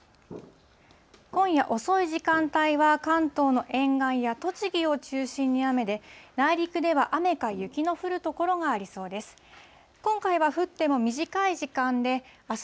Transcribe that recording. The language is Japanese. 今夜遅い時間帯は、関東の沿岸や栃木を中心に雨で、内陸では雨か雪の降る所がありそうです。